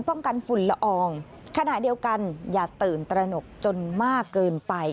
ฝุ่นละอองขณะเดียวกันอย่าตื่นตระหนกจนมากเกินไป